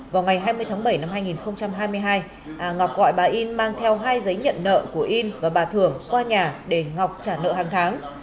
vào ngày hai mươi tháng bảy năm hai nghìn hai mươi hai ngọc gọi bà in mang theo hai giấy nhận nợ của in và bà thưởng qua nhà để ngọc trả nợ hàng tháng